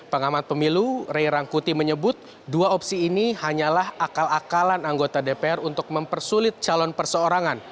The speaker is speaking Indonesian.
pengamat pemilu ray rangkuti menyebut dua opsi ini hanyalah akal akalan anggota dpr untuk mempersulit calon perseorangan